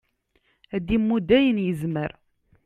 ad d-imudd ayen yezmer